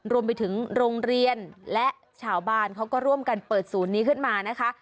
รวมไปถึงโรงเรียนและชาวบ้านเขาก็ร่วมกันเปิดศูนย์นี้ขึ้นมานะคะ